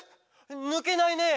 ぬけないねえ！！」